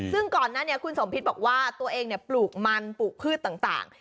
ซึ่งก่อนหน้านี้คุณสมพิษบอกว่าตัวเองปลูกมันปลูกพืชต่าง